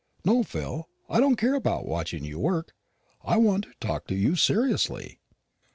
No, Phil, I don't care about watching you work. I want to talk to you seriously."